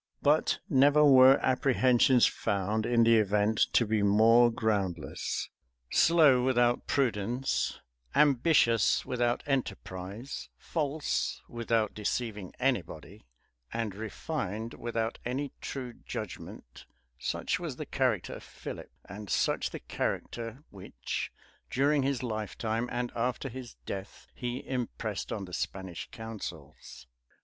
But never were apprehensions found in the event to be more groundless. Slow without prudence, ambitious without enterprise, false without deceiving any body, and refined without any true judgment; such was the character of Philip, and such the character which, during his lifetime, and after his death, he impressed on the Spanish councils.